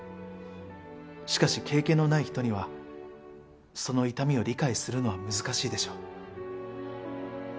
しかし経験のない人にはその痛みを理解するのは難しいでしょう。